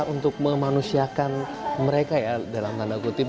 untuk memanusiakan mereka ya dalam tanda kutip